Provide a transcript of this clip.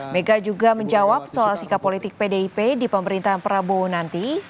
mega juga menjawab soal sikap politik pdip di pemerintahan prabowo nanti